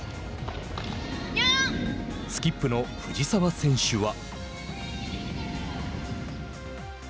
スキップの藤澤選手は。